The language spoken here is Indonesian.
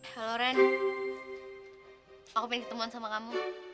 halo ren aku pengen ketemuan sama kamu